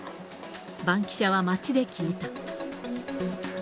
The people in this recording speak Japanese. バンキシャは街で聞いた。